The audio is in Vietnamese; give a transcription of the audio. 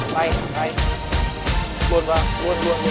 rồi chạy đây chạy đây